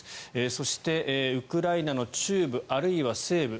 そして、ウクライナの中部あるいは西部。